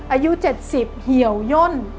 อายุ๗๐เหี่ยวย่น